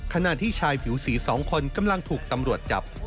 ขณะที่ชายผิวสี๒คนกำลังถูกตำรวจจับ